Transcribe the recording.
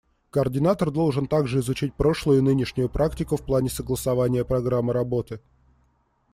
Координатор должен также изучить прошлую и нынешнюю практику в плане согласования программы работы.